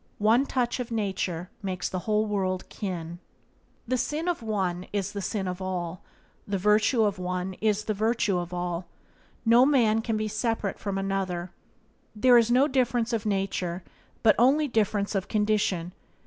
"One touch of nature makes the whole world kin." Byways to Blessedness by James Allen 32 The sin of one is the sin of all; the virtue of one is the virtue of all. No man can be separate from another. There is no difference of nature but only difference of condition.